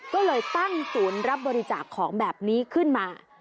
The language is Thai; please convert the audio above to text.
ก็เลยตั้งศูนย์รับบริจาคของแบบนี้ขึ้นมา